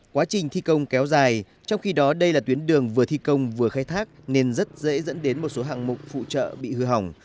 quá trình thi công kéo dài trong khi đó đây là tuyến đường vừa thi công vừa khai thác nên rất dễ dẫn đến một số hạng mục phụ trợ bị hư hỏng